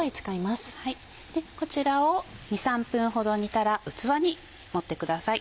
こちらを２３分ほど煮たら器に盛ってください。